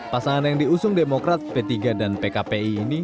pasangan yang diusung demokrat p tiga dan pkpi ini